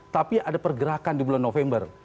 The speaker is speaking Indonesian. tapi ada pergerakan di bulan november